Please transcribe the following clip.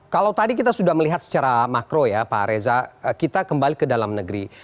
kalau tadi kita sudah melihat secara makro ya pak reza kita kembali ke dalam negeri